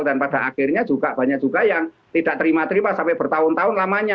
dan pada akhirnya juga banyak juga yang tidak terima terima sampai bertahun tahun lamanya